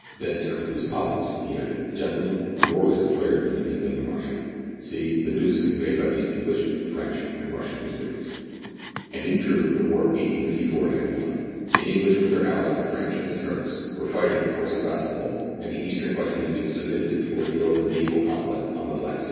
Then turning to his colleagues, he added, — "Gentlemen, war is declared between England and Russia, See, the news is conveyed by thesf; English, French, and Russian newspapers. 134 MERIDIANA; THE ADVENTURES OF And, in truth, the war of 1854 had begun. The English, with their alHes the French and Turks, were fighting before Sebastopol, and the Eastern question was being submitted to the ordeal of a naval conflict on the Black Sea.